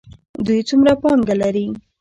دوی څومره پانګه لري؟